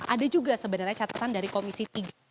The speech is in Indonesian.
ada juga sebenarnya catatan dari komisi tiga